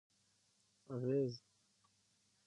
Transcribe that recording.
اغېز: